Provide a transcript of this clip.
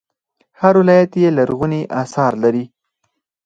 هر ولایت یې لرغوني اثار لري